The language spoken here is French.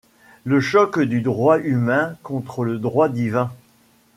Le choc du droit humain contre le droit divin !